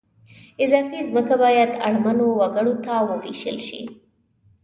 اضافي ځمکه باید اړمنو وګړو ته ووېشل شي